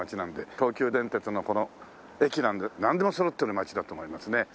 東急電鉄のこの駅なのでなんでもそろってる町だと思いますね。